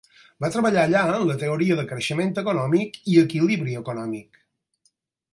Va treballar allà en la teoria de creixement econòmic i equilibri econòmic.